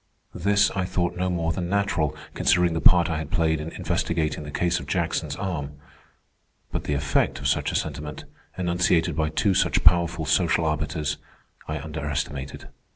This I thought no more than natural, considering the part I had played in investigating the case of Jackson's arm. But the effect of such a sentiment, enunciated by two such powerful social arbiters, I underestimated.